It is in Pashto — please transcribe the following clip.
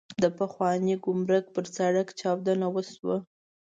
د پخواني ګمرک پر سړک چاودنه وشوه.